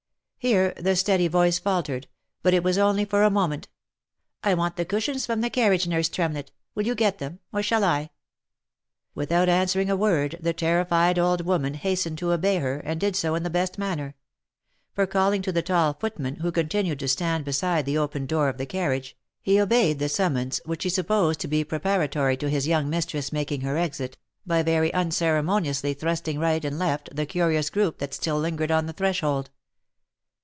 Here the steady voice faltered, but it was now only for a k 2 132 THE LIFE AND ADVENTURES moment. " I want the cushions from the carriage nurse Tremlett, will you get them, or shall I V Without answering a word the terrified old woman hastened to obey her, and did so in the best manner ; for calling to the tall footman, who continued to stand beside the open door of the carriage, he obeyed the summons, which he supposed to be preparatory to his* young mistress making her exit, by very unceremoniously thrusting right and left the curious group that still lingered on the threshold.